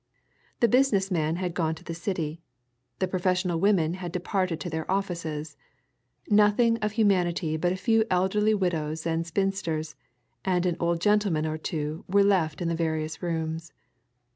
The business man had gone to the City; the professional women had departed to their offices; nothing of humanity but a few elderly widows and spinsters, and an old gentleman or two were left in the various rooms.